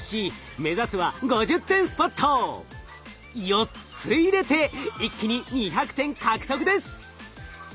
４つ入れて一気に２００点獲得です。